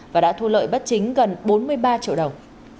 và đã thu lợi bất chính gần bốn mươi ba triệu đồng